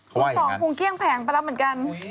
สองคงเกลี้ยงแผงไปแล้วเหมือนกัน